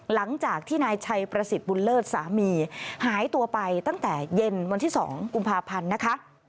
หลังจากที่นายชัยประสิทธิ์บุญเลิศสามีหายตัวไปตั้งแต่เย็นวันที่๒กุมภาพันธ์นะคะ